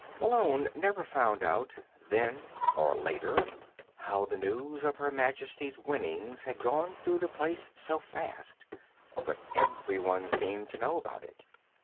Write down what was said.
Malone never found out, then or later, how the news of Her Majesty's winnings had gone through the place so fast, but everyone seemed to know about it.